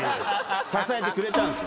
支えてくれたんすよ。